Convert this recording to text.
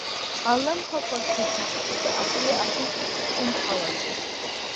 Алымҳақәа хьыдышьшь, ҵаҟатәи аԥышә хьынҳалаӡа.